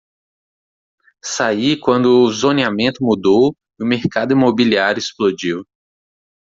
Saí quando o zoneamento mudou e o mercado imobiliário explodiu.